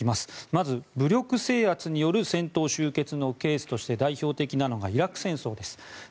まず、武力制圧による戦闘終結のケースとして代表的なのがイラク戦争です。